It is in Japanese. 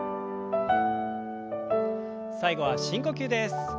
最後は深呼吸です。